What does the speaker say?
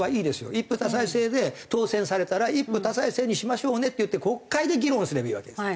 一夫多妻制で当選されたら一夫多妻制にしましょうねっていって国会で議論すればいいわけですよ。